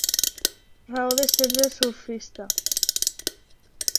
Raó de ser del surfista.